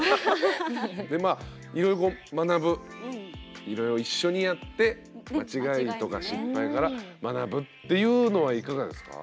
でまあいろいろこう学ぶいろいろ一緒にやって間違いとか失敗から学ぶっていうのはいかがですか？